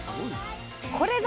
これぞ！